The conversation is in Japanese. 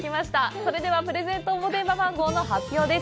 それでは、プレゼント応募電話番号の発表です。